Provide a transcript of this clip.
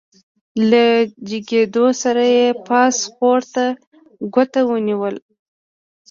له جګېدو سره يې پاس خوړ ته ګوته ونيوله عاعاعا.